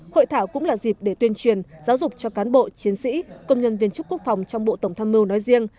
hội thảo cũng là dịp để tuyên truyền giáo dục cho cán bộ chiến sĩ công nhân viên chức quốc phòng trong bộ tổng tham mưu nói riêng